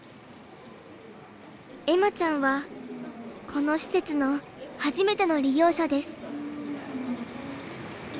恵麻ちゃんはこの施設の初めての利用者です。